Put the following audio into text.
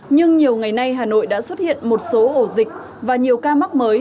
nhưng nhiều ngày nay hà nội đã xuất hiện một số ổ dịch và nhiều ca mắc mới